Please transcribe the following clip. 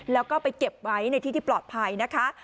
แล้วก็ไปเก็บไว้ในที่ที่ปลอดภัยนะคะ